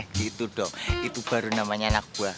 gitu dong itu baru namanya anak buah